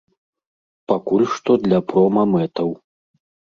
Пакуль што для прома-мэтаў.